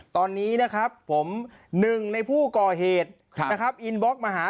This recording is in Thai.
ตอนนี้นะครับผมหนึ่งในผู้ก่อเหตุนะครับ